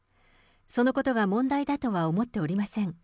そのことが問題だとは思っておりません。